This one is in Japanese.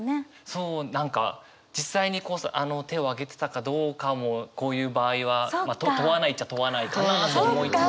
そう何か実際に手を上げてたかどうかもこういう場合は問わないっちゃ問わないかなと思いつつ。